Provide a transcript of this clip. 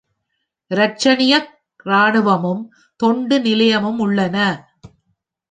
இரட்சணியக் இராணுவமும், தொண்டு நிலையமும் உள்ளன.